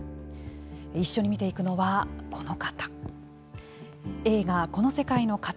一緒に見ていくのは、この方。